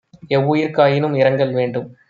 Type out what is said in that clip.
எவ்வுயிர்க்கு ஆயினும் இரங்கல் வேண்டும்